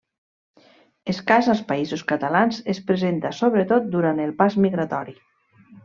Escàs als Països Catalans, es presenta sobretot durant el pas migratori.